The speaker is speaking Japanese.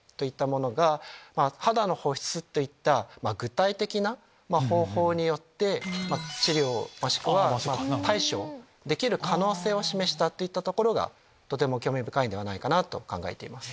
肌の保湿といった具体的な方法によって治療もしくは対処できる可能性を示したといったところがとても興味深いんではないかなと考えています。